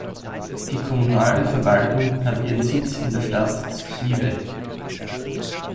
Die kommunale Verwaltung hat ihren Sitz in der Stadt Skive.